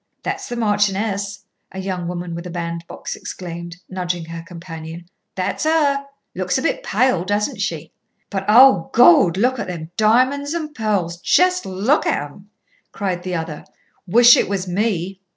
"That's the Marchioness," a young woman with a bandbox exclaimed, nudging her companion. "That's 'er! Looks a bit pale, doesn't she?" "But, oh Gawd! look at them di monds an' pearls jess look at 'em!" cried the other. "Wish it was me."